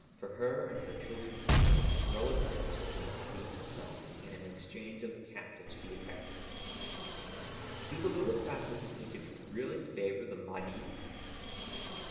For her and her children only, as relatives of the Mahdi himself, can an exchange of the captives be effected." "Do the lower classes in Egypt really favor the Mahdi?"